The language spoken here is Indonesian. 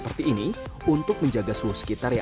kanser budidaya melanggar wireless